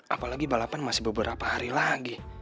apalagi balapan masih beberapa hari lagi